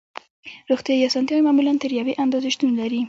روغتیایی اسانتیاوې معمولاً تر یوې اندازې شتون لري